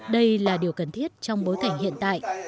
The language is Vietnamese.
đây là điều cần thiết trong bối cảnh hiện tại